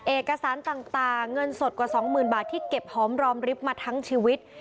เอกสารต่างเงินสดกว่า๒๐๐๐บาทที่เก็บหอมรอมริบมาทั้งชีวิต